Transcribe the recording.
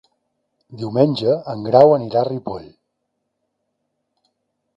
Diumenge en Grau anirà a Ripoll.